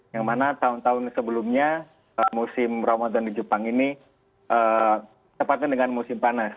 yang mana tahun tahun sebelumnya musim ramadan di jepang ini tepatnya dengan musim panas